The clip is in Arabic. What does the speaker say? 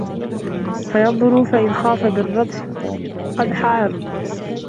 فَيَنْظُرُ فَإِنْ خَافَ بِالرَّدِّ قَدْحَ عِرْضٍ